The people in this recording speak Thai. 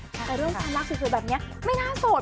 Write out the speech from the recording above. แต่เรื่องความรักสวยแบบนี้ไม่น่าโสด